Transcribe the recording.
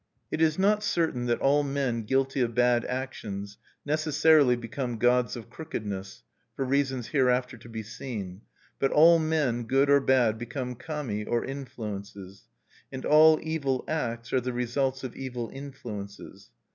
It is not certain that all men guilty of bad actions necessarily become "gods of crookedness," for reasons hereafter to be seen; but all men, good or bad, become Kami, or influences. And all evil acts are the results of evil influences.